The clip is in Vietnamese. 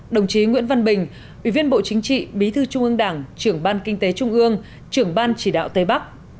đồng chí nguyễn văn bình ủy viên bộ chính trị bí thư trung ương đảng trưởng ban kinh tế trung ương trưởng ban chỉ đạo tây bắc